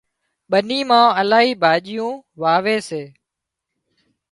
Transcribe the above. ٻني مان الاهي ڀاڄيون واوي سي